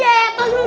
yes kita beruntung